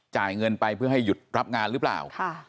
จ่ายเงินไปเพื่อให้หยุดรับงานหรือเปล่า